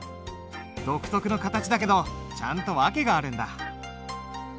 独特の形だけどちゃんと訳があるんだ。